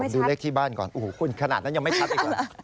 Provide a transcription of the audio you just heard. ดูเลขที่บ้านก่อนโอ้โหคุณขนาดนั้นยังไม่ชัดอีกแล้ว